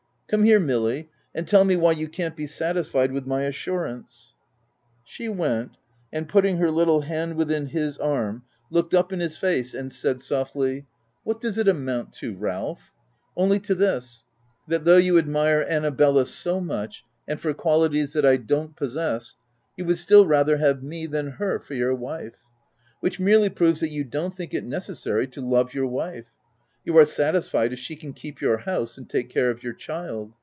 Come here Milly, and tell me why you can't be satisfied with my assurance.'' She went, .and, putting her little hand within his arm, looked up in his face, and said softly, — 256 THE TENANT u What does it amount to Ralph ? Only to this, that though you admire Annabella so much, and for qualities that I don't possess, you would still rather have me than her for your wife which merely proves that you don't think it necessary to love your wife : you are satisfied if she can keep your house and take care of your child.